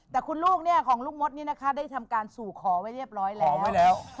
แต่คุณลูกเนี่ยของลูกมดนี่นะคะได้ทำการสู่ขอไว้เรียบร้อยแล้วขอไว้แล้ว